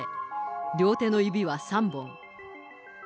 両手の指は３本。